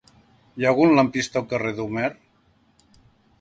Hi ha algun lampista al carrer d'Homer?